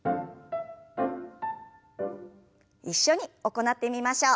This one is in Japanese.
一緒に行ってみましょう。